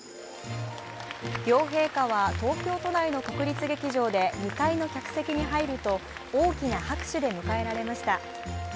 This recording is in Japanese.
両陛下は東京都内の国立劇場で２階の客席に入ると大きな拍手で迎えられました。